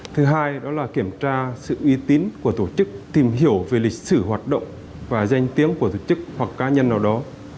thứ hai đó là kiểm tra sự uy tín của tổ chức tìm hiểu về lịch sử hoạt động và danh tiếng của tổ chức hoặc cá nhân nào đó